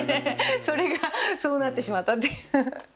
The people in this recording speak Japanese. それがそうなってしまったっていう。